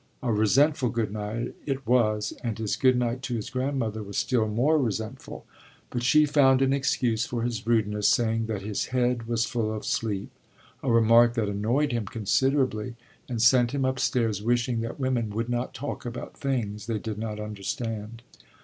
A resentful good night it was; and his good night to his grandmother was still more resentful. But she found an excuse for his rudeness, saying that his head was full of sleep a remark that annoyed him considerably and sent him upstairs wishing that women would not talk about things they do not understand.